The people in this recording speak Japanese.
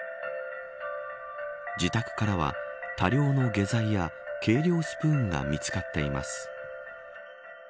自宅からは多量の下剤や計量スプーンが見つかっています。